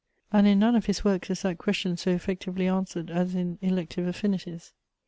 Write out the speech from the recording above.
and in none of his works is that question so effectively answered as in "Elective Affinities."